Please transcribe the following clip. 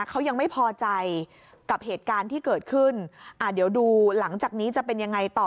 เขายังไม่พอใจกับเหตุการณ์ที่เกิดขึ้นอ่าเดี๋ยวดูหลังจากนี้จะเป็นยังไงต่อ